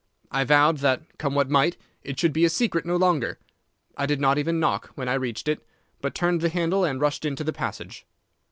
I vowed that, come what might, it should be a secret no longer. I did not even knock when I reached it, but turned the handle and rushed into the passage.